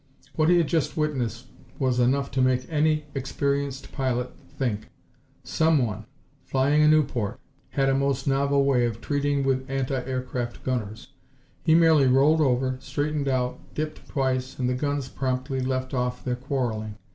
What he had just witnessed was enough to make any experienced pilot think. Someone, flying a Nieuport, had a most novel way of treating with anti aircraft gunners. He merely rolled over, straightened out, dipped twice, and the guns promptly left off their quarreling.